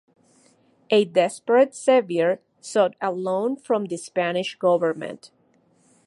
A desperate Sevier sought a loan from the Spanish government.